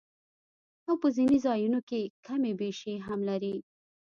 او پۀ ځنې ځايونو کښې کمی بېشی هم لري